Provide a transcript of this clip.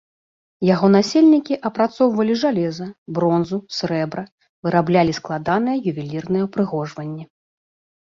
Яго насельнікі апрацоўвалі жалеза, бронзу, срэбра, выраблялі складаныя ювелірныя ўпрыгожванні.